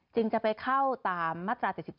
จึงจะไปเข้าตามมาตรา๗๔